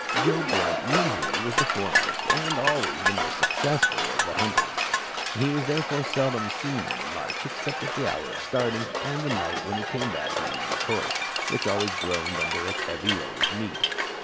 Joe Blunt usually was the foremost and always the most successful of the hunters. He was therefore seldom seen on the march except at the hour of starting, and at night when he came back leading his horse, which always groaned under its heavy load of meat.